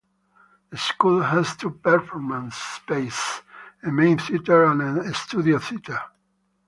The school has two performance spaces, a main theater and a studio theater.